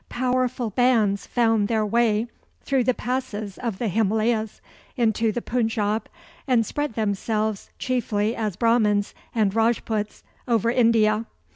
Powerful bands found their way through the passes of the Himalayas into the Punjab, and spread themselves, chiefly as Brahmans and Rajputs, over India.